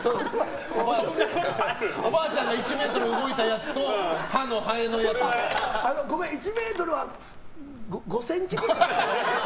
おばあちゃんが１ｍ動いたやつとごめん、１ｍは５ｃｍぐらい。